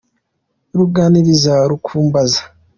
runganiriza rukumbaza